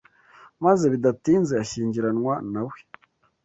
maze bidatinze ashyingiranwa na we